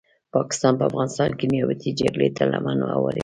پاکستان په افغانستان کې نیابتې جګړي ته لمن هواروي